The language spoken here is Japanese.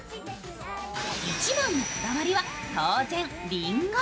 一番のこだわりは当然りんご。